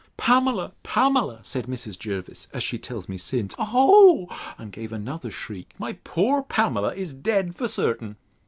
Pamela! Pamela! said Mrs. Jervis, as she tells me since, O—h, and gave another shriek, my poor Pamela is dead for certain!